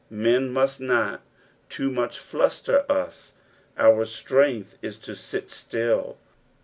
Men must not too much fluater us ; our strength is to sit still.